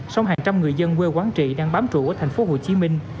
sông hàng trăm người dân quê quán trị đang bám trụ ở thành phố hồ chí minh